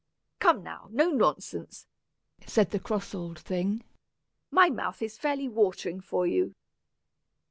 "Come now, no nonsense," said the cross old thing. "My mouth is fairly watering for you."